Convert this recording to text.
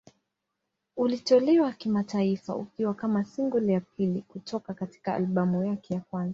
Ulitolewa kimataifa ukiwa kama single ya pili kutoka katika albamu yake ya kwanza.